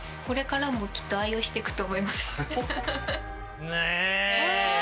これからもきっと愛用していくと思います。